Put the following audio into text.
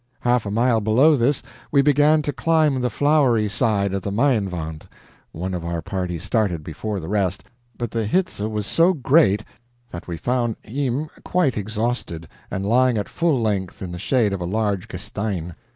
Half a mile below this we began to climb the flowery side of the Meienwand. One of our party started before the rest, but the HITZE was so great, that we found IHM quite exhausted, and lying at full length in the shade of a large GESTEIN.